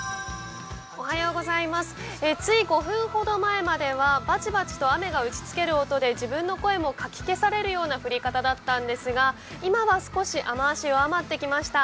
つい５分ほど前まではバチバチと雨が打ちつける音で自分の声もかき消されるような降り方だったんですが今は少し雨足、弱まってきました。